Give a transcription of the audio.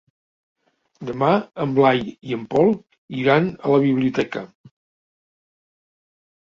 Demà en Blai i en Pol iran a la biblioteca.